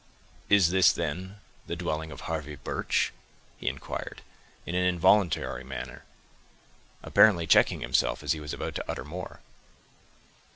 "Is this, then, the dwelling of Harvey Birch?" he inquired, in an involuntary manner, apparently checking himself, as he was about to utter more.